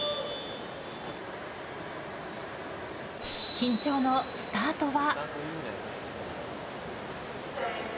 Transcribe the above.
緊張のスタートは？